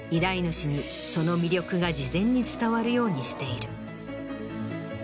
主にその魅力が事前に伝わるようにしている。